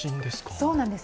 そうなんです。